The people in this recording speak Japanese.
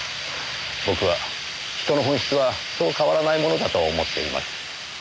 僕は人の本質はそう変わらないものだと思っています。